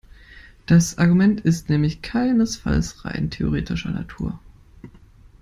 Das Argument ist nämlich keinesfalls rein theoretischer Natur.